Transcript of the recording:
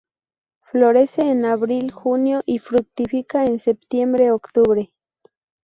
Florece en abril-junio y fructifica en septiembre-octubre.